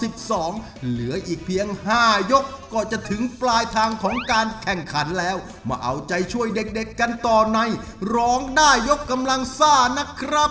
กลับไปนะครับช่วยเป็นกำลังใจด้วยในร้องได้ยกกำลังซ่า